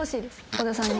小田さんに。